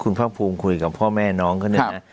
คุณพ่อภูมค์คุยกับพ่อแม่น้องก็เนี่ยนะ